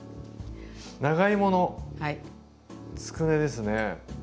長芋のつくねですね。